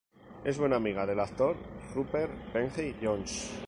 Es buena amiga del actor Rupert Penry-Jones.